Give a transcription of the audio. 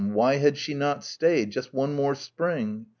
why had she not stayed ... just one more spring?